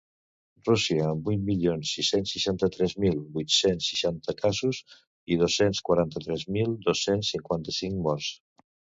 Rússia, amb vuit milions sis-cents setanta-tres mil vuit-cents seixanta casos i dos-cents quaranta-tres mil dos-cents cinquanta-cinc morts.